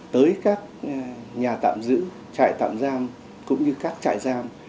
tới các nhà tạm giữ trại tạm giam cũng như các trại giam